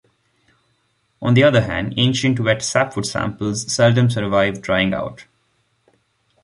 On the other hand, ancient wet sapwood samples seldom survive drying out.